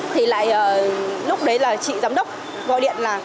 thì lại lúc đấy là chị giám đốc gọi điện là